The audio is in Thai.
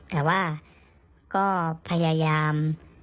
แต่ว่าก็พยายาม